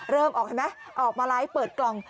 เริ่มออกเห็นไหมออกมาไลฟ์เปิดกล่อง